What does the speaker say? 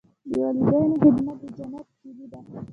د والدینو خدمت د جنت کلي ده.